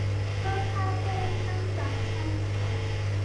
喝咖啡当早餐